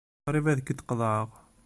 Qrib ad k-id-qeḍɛeɣ.